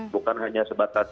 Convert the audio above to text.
bukan hanya sebatas